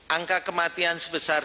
angka kematian seberapa